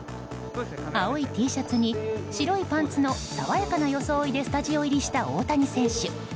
青いＴシャツに白いパンツの爽やかな装いでスタジオ入りした大谷選手。